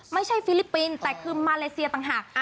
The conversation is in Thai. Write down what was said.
ฟิลิปปินส์แต่คือมาเลเซียต่างหาก